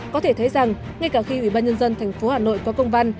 có thể thấy rằng ngay cả khi ủy ban nhân dân thành phố hà nội qua công văn